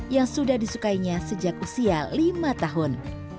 yang sudah disukainya sejak usia lima tahun